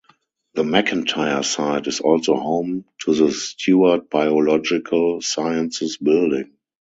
The McIntyre site is also home to the Stewart Biological Sciences Building.